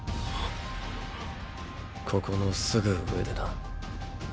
ここのすぐ上でな。